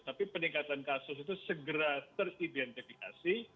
tapi peningkatan kasus itu segera teridentifikasi